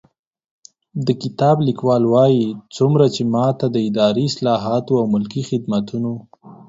د کتاب لیکوال وايي، څومره چې ما ته د اداري اصلاحاتو او ملکي خدمتونو